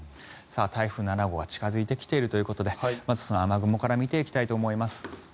台風７号が近付いてきているということでまず、その雨雲から見ていきたいと思います。